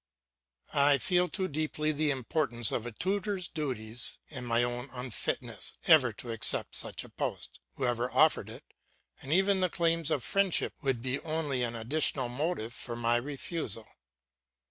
I feel too deeply the importance of a tutor's duties and my own unfitness, ever to accept such a post, whoever offered it, and even the claims of friendship would be only an additional motive for my refusal.